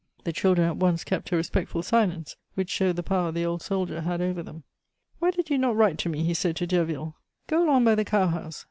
The children at once kept a respectful silence, which showed the power the old soldier had over them. "Why did you not write to me?" he said to Derville. "Go along by the cowhouse!